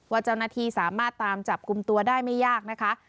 ว่าเจ้าหน้าที่สามารถตามจับกลุ่มตัวได้ไม่ยากนะคะ